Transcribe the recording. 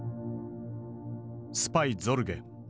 「スパイ・ゾルゲ」。